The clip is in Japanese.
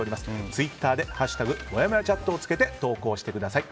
ツイッターで「＃もやもやチャット」をつけて投稿してください。